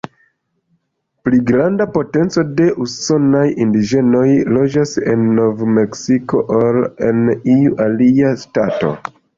Pli granda procento de usonaj indiĝenoj loĝas en Nov-Meksiko ol en iu alia ŝtato.